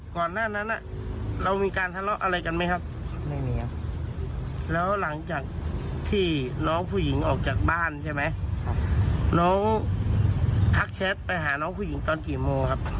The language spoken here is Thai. ก่อนหน้านั้นเรามีการทะเลาะอะไรกันไหมครับไม่มีครับแล้วหลังจากที่น้องผู้หญิงออกจากบ้านใช่ไหมน้องทักแชทไปหาน้องผู้หญิงตอนกี่โมงครับ